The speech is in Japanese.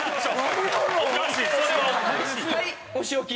はいお仕置き！